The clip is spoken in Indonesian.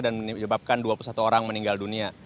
dan menyebabkan dua puluh satu orang meninggal dunia